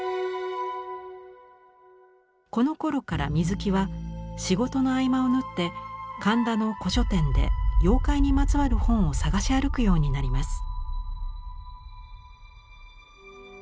このころから水木は仕事の合間をぬって神田の古書店で妖怪にまつわる本を探し歩くようになります。